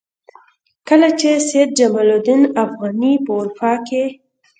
کله چې سید جمال الدین افغاني په اروپا کې.